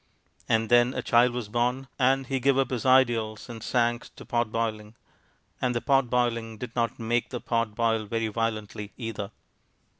And then a child was born; and he gave up his ideals and sank to pot boiling, and the pot boiling did not make the pot boil very violently, either.